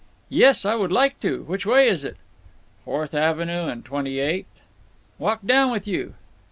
"Yes, I would like to. Which way is it?" "Fourth Avenue and Twenty eighth." "Walk down with you."